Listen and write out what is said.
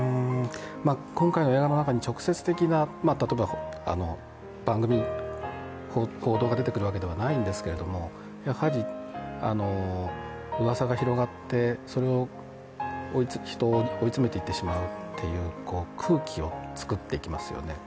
今回映画の中に直接的な番組・報道が出てくるわけじゃないんですけれどもやはり、うわさが広がってそれが人を追い詰めていってしまうという空気を作っていきますよね。